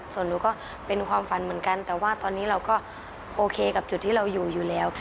ส่วนหนูก็เป็นความฝันเหมือนกันแต่ว่าตอนนี้เราก็โอเคกับจุดที่เราอยู่อยู่แล้ว